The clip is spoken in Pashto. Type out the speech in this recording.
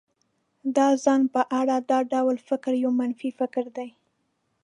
د ځان په اړه دا ډول فکر يو منفي فکر دی.